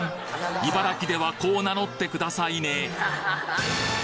茨城ではこう名乗ってくださいね